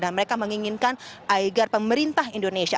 dan mereka menginginkan agar pemerintah indonesia